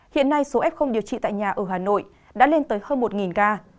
hiện nay số f điều trị tại nhà ở hà nội đã lên tới hơn một ca